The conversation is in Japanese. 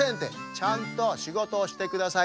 ちゃんとしごとをしてください